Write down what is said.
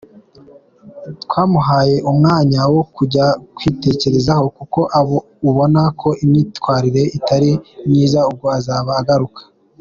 Twamuhaye umwanya wo kujya kwitekerezaho kuko ubona ko imyitwarire itari myiza, ubwo azaba agaruka.